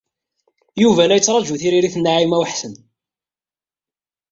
Yuba la yettṛaju tiririt n Naɛima u Ḥsen.